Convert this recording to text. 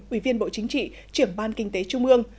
ủy viên bộ chính trị trưởng ban kinh tế trung ương